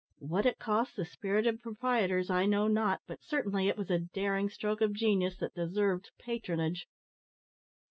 What it cost the spirited proprietors I know not, but certainly it was a daring stroke of genius that deserved patronage."